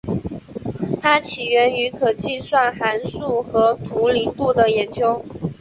它起源于可计算函数和图灵度的研究。